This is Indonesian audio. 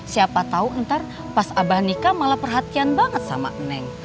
siapa tahu ntar pas abah nikah malah perhatian banget sama neng